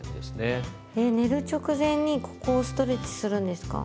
え寝る直前にここをストレッチするんですか？